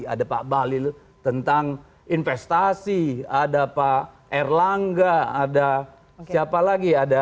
ada pak bahlil tentang investasi ada pak erlangga ada siapa lagi